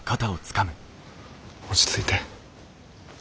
落ち着いて。